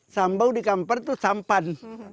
sambal di kampar itu sampan